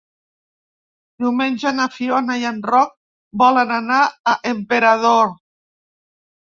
Diumenge na Fiona i en Roc volen anar a Emperador.